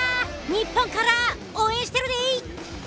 日本から応援してるで！